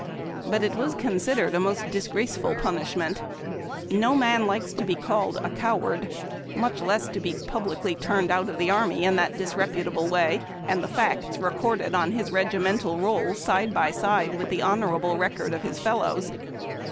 But it was considered a most disgraceful punishment. No man liked to be called a coivard, much less to be turned out of the army in that dis reputable way, and the facts re corded on his regimental roll side b}^ side with the honorable record of his fellows.